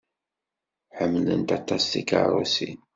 Ḥemmlent aṭas tikeṛṛusin.